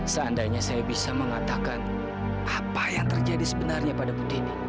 seandainya saya bisa mengatakan apa yang terjadi sebenarnya pada bu deni